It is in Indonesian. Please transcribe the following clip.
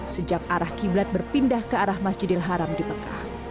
sejak arah qiblat berpindah ke arah masjidil haram di mekah